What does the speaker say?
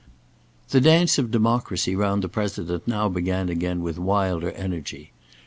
The dance of democracy round the President now began again with wilder energy.